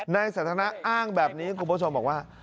นายสันทนาอ้างแบบนี้คุณผู้ชมบอกว่า